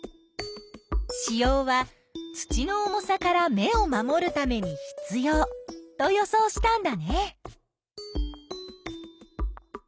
子葉は土の重さから芽を守るために必要と予想したんだね。